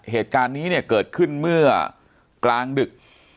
เหตุการณ์นี้เนี่ยเกิดขึ้นเมื่อกลางดึก